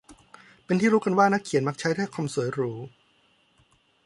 เป็นที่รู้กันว่านักเขียนมักใช้ถ้อยคำสวยหรู